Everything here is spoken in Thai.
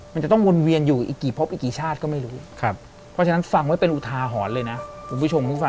มันจะต้องวนเวียนอยู่อีกกี่พบอีกกี่ชาติก็ไม่รู้